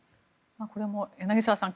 これも柳澤さん